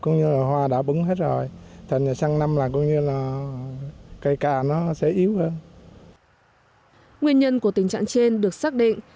nguyên nhân của tình trạng trên được xác định